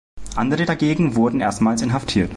Andere dagegen wurden erstmals inhaftiert.